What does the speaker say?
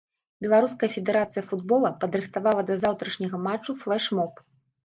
Беларуская федэрацыя футбола падрыхтавала да заўтрашняга матчу флэш-моб.